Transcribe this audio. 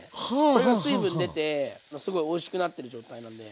これが水分出てすごいおいしくなってる状態なんで。